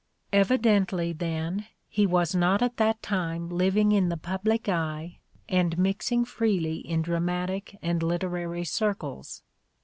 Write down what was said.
Evidently, then, he was not at that time living in the public eye and mixing freely in dramatic and literary circles.